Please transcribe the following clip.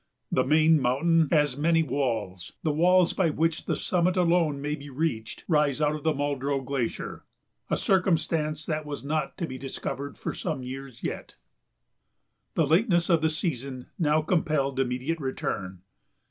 The "main mountain" has many walls; the walls by which the summit alone may be reached rise out of the Muldrow Glacier, a circumstance that was not to be discovered for some years yet. The lateness of the season now compelled immediate return.